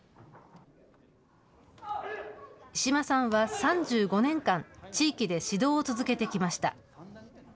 石間さんは３５年間、地域で指導を続けてきました。